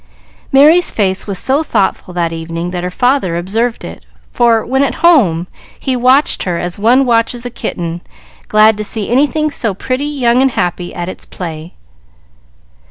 Merry's face was so thoughtful that evening that her father observed it, for, when at home, he watched her as one watches a kitten, glad to see anything so pretty, young, and happy, at its play.